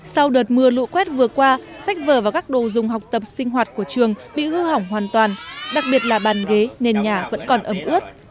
sau đợt mưa lũ quét vừa qua sách vở và các đồ dùng học tập sinh hoạt của trường bị hư hỏng hoàn toàn đặc biệt là bàn ghế nền nhà vẫn còn ẩm ướt